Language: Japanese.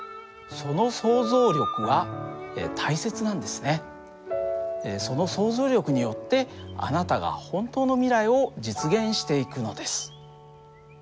その想像力によってあなたが本当の未来を実現していくのです。